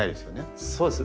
そうです。